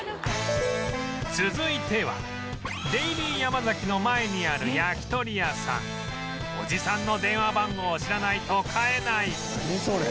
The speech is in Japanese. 続いては「デイリーヤマザキの前にある焼き鳥屋さん」「おじさんの電話番号を知らないと買えない」